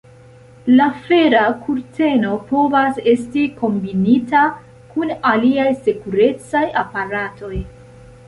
La fera kurteno povas esti kombinita kun aliaj sekurecaj aparatoj.